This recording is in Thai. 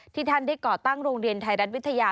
ท่านได้ก่อตั้งโรงเรียนไทยรัฐวิทยา